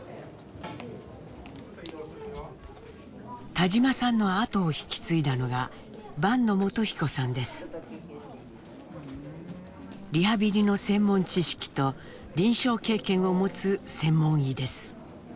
田島さんの後を引き継いだのがリハビリの専門知識と臨床経験を持つ専門医です。